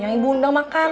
yang ibu undang makan